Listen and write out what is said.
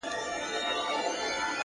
مه وله د سترگو اټوم مه وله.